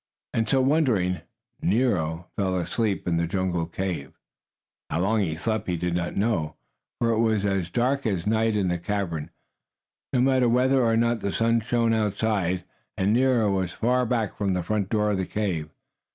And so, wondering, Nero fell asleep in the jungle cave. How long he slept he did not know, for it was as dark as night in the cavern, no matter whether or not the sun shone outside, and Nero was far back from the front door of the cave.